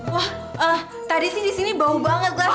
wah eh tadi sih di sini bau banget glass